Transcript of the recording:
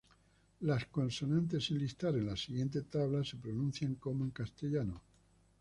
Las consonantes sin listar en la siguiente tabla se pronuncian como en castellano.